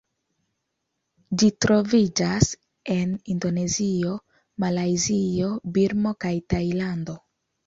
Ĝi troviĝas en Indonezio, Malajzio, Birmo kaj Tajlando.